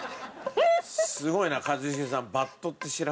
すごいな一茂さん。